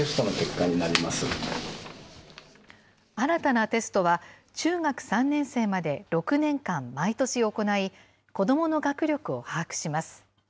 新たなテストは、中学３年生まで６年間毎年行い、子どもの学力を把握します。